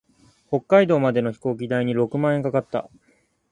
北海道までの飛行機代に六万円かかった。